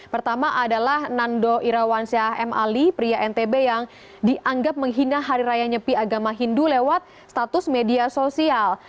pertama adalah nando irawansyah m ali pria ntb yang dianggap menghina hari raya nyepi agama hindu lewat status media sosial